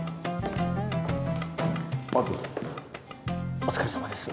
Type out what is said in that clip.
お疲れさまです。